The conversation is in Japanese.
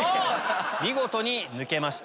見事に抜けました。